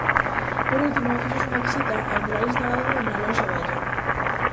Por último, fíxose unha visita ao mural instalado na lonxa vella.